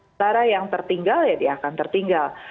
setara yang tertinggal ya dia akan tertinggal